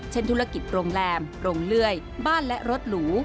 ธุรกิจโรงแรมโรงเลื่อยบ้านและรถหรู